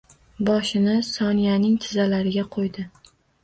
Boshini Sonyaning tizzalariga qoʻydi